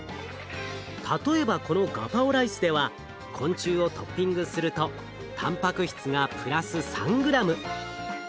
例えばこのガパオライスでは昆虫をトッピングするとたんぱく質がプラス３ｇ。